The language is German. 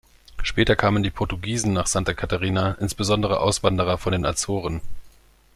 Später kamen die Portugiesen nach Santa Catarina, insbesondere Auswanderer von den Azoren.